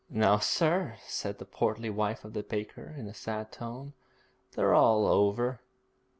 'No, sir,' said the portly wife of the baker, in a sad tone, 'they're all over.'